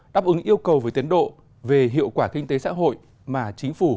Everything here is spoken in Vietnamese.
đáp ứng yêu cầu về tiến độ về hiệu quả kinh tế xã hội mà chính phủ đã đề ra